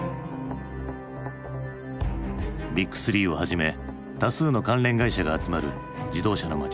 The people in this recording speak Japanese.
ビッグスリーをはじめ多数の関連会社が集まる自動車の町